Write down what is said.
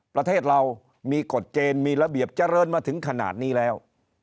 ประเทศเรามีกฎเกณฑ์มีระเบียบเจริญมาถึงขนาดนี้แล้ว